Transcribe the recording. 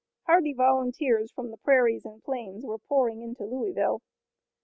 Hardy volunteers from the prairies and plains were pouring into Louisville.